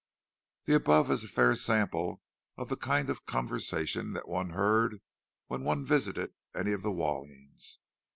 The above is a fair sample of the kind of conversation that one heard whenever one visited any of the Wallings.